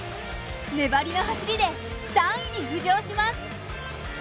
粘りの走りで３位に浮上します。